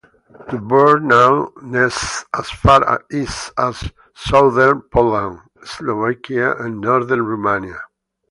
The bird now nests as far east as southern Poland, Slovakia, and northern Romania.